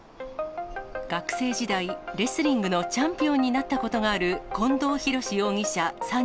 学生時代、レスリングのチャンピオンになったことがある近藤弘志容疑者